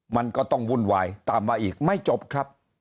มันก็ต้องวุ่นวายตามมาอีกไม่จบครับ